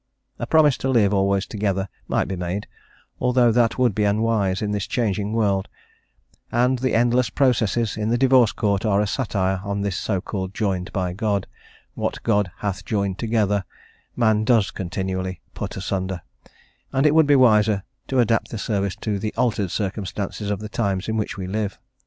A promise to live always together might be made, although that would be unwise in this changing world, and the endless processes in the Divorce Court are a satire on this so called joined by God; "what God hath joined together" man does continually "put asunder," and it would be wiser to adapt the service to the altered circumstances of the times in which we live.